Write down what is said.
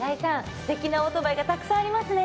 素敵なオートバイがたくさんありますね。